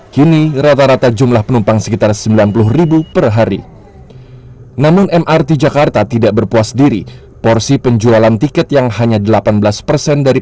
kini rata rata jumlah penumpang sekitar sembilan puluh per hari